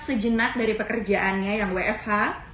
sejenak dari pekerjaannya yang wfh